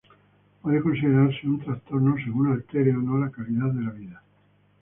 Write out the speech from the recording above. Puede considerarse un trastorno según altere o no la calidad de vida.